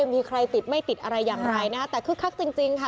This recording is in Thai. มีใครติดไม่ติดอะไรอย่างไรนะฮะแต่คึกคักจริงค่ะ